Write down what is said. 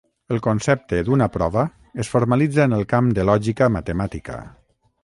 El concepte d'una prova es formalitza en el camp de lògica matemàtica.